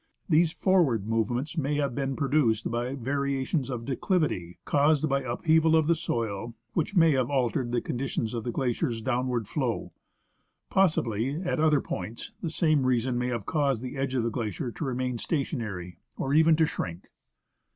These forward movements may have been produced by variations of declivity, caused by upheaval of the soil, which have altered the conditions of the glacier's downward flow. Possibly, at other points, the same reason may have caused the edge of the glacier to remain stationary, or even to shrink.